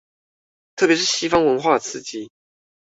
特別是西方文化的刺激